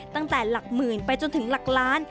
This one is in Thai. ตั้งแต่หลักหมื่นไปจนถึงหลักล้าน